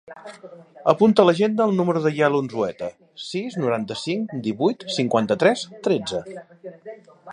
Apunta a l'agenda el número del Yael Unzueta: sis, noranta-cinc, divuit, cinquanta-tres, tretze.